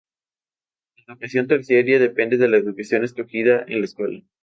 La educación terciaria depende de la educación escogida en la secundaria.